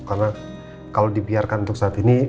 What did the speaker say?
karena kalau dibiarkan untuk saat ini